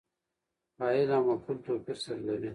فاعل او مفعول توپیر سره لري.